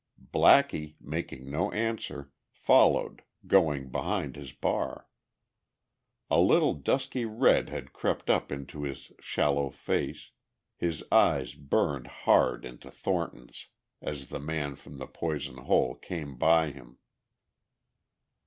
Blackie, making no answer, followed, going behind his bar. A little dusky red had crept up into his shallow face, his eyes burned hard into Thornton's as the man from the Poison Hole came by him.